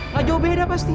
gak jauh beda pasti